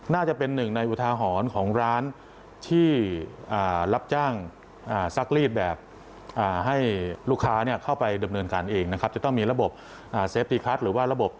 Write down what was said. น่าจะเป็นหนึ่งในวุฒาหอนของร้านที่รับจ้างซักลีดแบบให้ลูกค้าเข้าไปดำเนินการเองนะครับ